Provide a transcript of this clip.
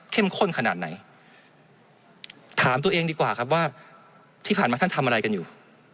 ข้นขนาดไหนถามตัวเองดีกว่าครับว่าที่ผ่านมาท่านทำอะไรกันอยู่